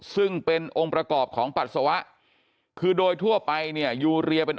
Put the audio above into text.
ซึ่งเป็นองค์ประกอบของปัสสาวะคือโดยทั่วไปเนี่ยยูเรียเป็น